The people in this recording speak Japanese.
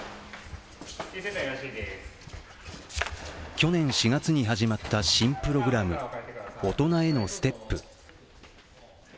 去年４月に始まった新プログラム大人へのステップ。